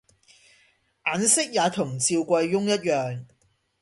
眼色也同趙貴翁一樣，